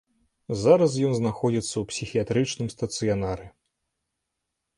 Зараз ён знаходзіцца ў псіхіятрычным стацыянары.